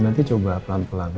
nanti coba pelan pelan